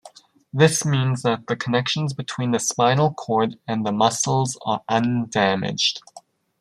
This means that the connections between the spinal cord and the muscles are undamaged.